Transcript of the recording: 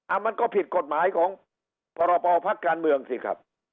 มันก็ผิดกฎหมายของพรปภักดิ์การเมืองสิครับ